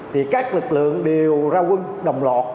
thì các lực lượng đều ra quân đồng lọt